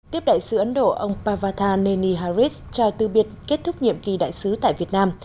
tiếp đại sứ ấn độ ông pavardhaneni haris trao tư biệt kết thúc nhiệm kỳ đại sứ tại việt nam